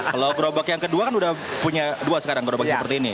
kalau gerobak yang kedua kan udah punya dua sekarang gerobak seperti ini